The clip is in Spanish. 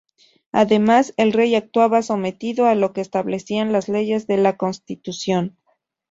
Además, el Rey actuaba sometido a lo que establecían las leyes de la Constitución.